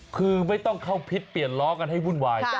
คือไม่ต้องเข้าพิษเปลี่ยนล้อกันให้วุ่นวาย